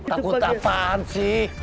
takut apaan sih